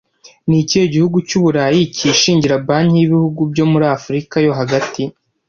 Ni ikihe gihugu cy'Uburayi cyishingira Banki y'ibihugu byo muri Afurika yo hagati